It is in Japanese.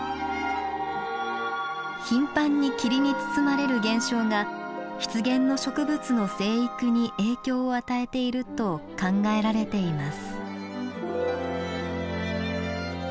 頻繁に霧に包まれる現象が湿原の植物の生育に影響を与えていると考えられています。